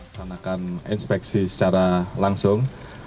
segit mengadakan inspeksi secara langsung